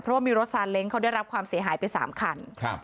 เพราะว่ามีรถซานเล้งเขาได้รับความเสียหายไป๓คัน